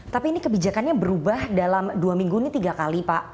tapi ini kebijakannya berubah dalam dua minggu ini tiga kali pak